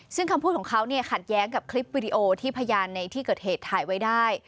ซึ่งคำพูดของเขาเนี่ยขัดแย้งกับคลิปวิดีโอที่พยานในที่เกิดเหตุถ่ายไว้ได้